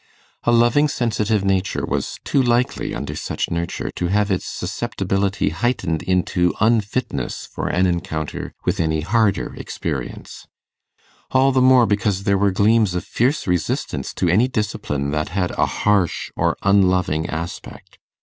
A loving sensitive nature was too likely, under such nurture, to have its susceptibility heightened into unfitness for an encounter with any harder experience; all the more, because there were gleams of fierce resistance to any discipline that had a harsh or unloving aspect.